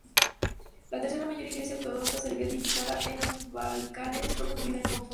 La tercera mayor iglesia ortodoxa serbia edificada en los Balcanes fue construida en Foča.